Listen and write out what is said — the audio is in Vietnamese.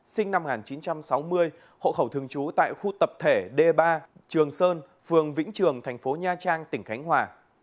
sinh năm một nghìn chín trăm sáu mươi hộ khẩu thường trú tại khu tập thể d ba trường sơn phường vĩnh trường thành phố nha trang tỉnh khánh hòa